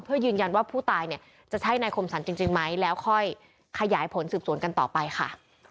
เพื่อยืนยันว่าผู้ตายเนี่ยจะใช่นายคมสรรจริงไหมแล้วค่อยขยายผลสืบสวนกันต่อไปค่ะ